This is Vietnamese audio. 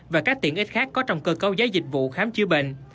và các tiện ích khác có trong cơ cấu giá dịch vụ khám chứa bệnh